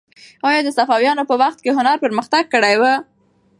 آیا د صفویانو په وخت کې هنر پرمختګ کړی و؟